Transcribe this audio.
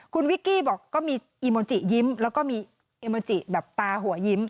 คุณวิกกี้บอกก็มีอีโมจิยิ้มแล้วก็มีเอโมจิแบบตาหัวยิ้ม